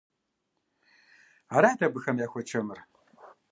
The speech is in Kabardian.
Арат абыхэм яхуэчэмыр.